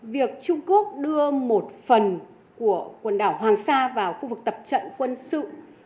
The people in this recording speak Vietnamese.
việc trung quốc đưa một phần của quần đảo hoàng sa vào khu vực tập trận quân sự